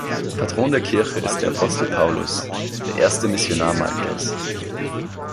Patron der Kirche ist der Apostel Paulus, der erste Missionar Maltas.